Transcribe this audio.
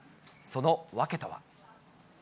その訳とは。